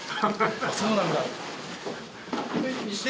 そうなんだって。